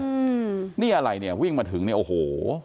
อืมนี่อะไรเนี่ยวิ่งมาถึงเนี่ยโอ้โห